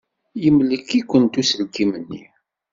Imlek-ikent uselkim-nni.